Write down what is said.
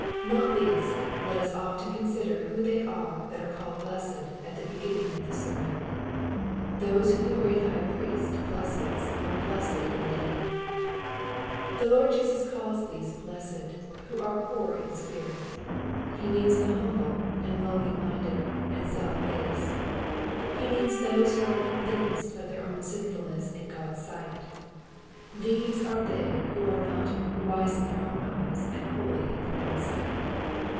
Not least let us often consider who they are that are called blessed at the beginning of the sermon. Those whom the great High Priest blesses are blessed indeed. The Lord Jesus calls those blessed, who are poor in spirit. He means the humble, and lowly minded, and self abased. He means those who are deeply convinced of their own sinfulness in God's sight. These are they who are not " wise in their own eyes and holy in their own sight."